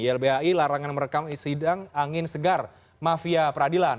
ylbhi larangan merekam sidang angin segar mafia peradilan